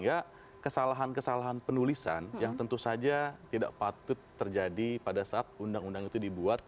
jadi kesalahan kesalahan penulisan yang tentu saja tidak patut terjadi pada saat undang undang itu dibuat